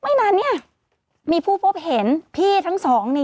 ไม่นานเนี่ยมีผู้พบเห็นพี่ทั้งสองนี่